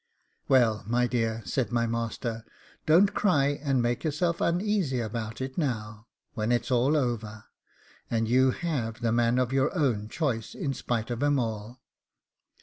'Well, my dear,' said my master, 'don't cry and make yourself uneasy about it now, when it's all over, and you have the man of your own choice, in spite of 'em all.